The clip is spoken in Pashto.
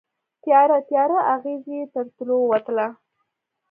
تیاره، تیاره اغزې یې تر تلو ووتله